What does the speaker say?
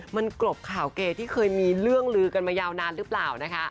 มันกลบข่าวเกย์ที่เคยมีเรื่องลือกันมายาวนานหรือเปล่านะคะ